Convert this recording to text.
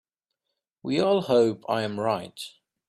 We all hope I am right.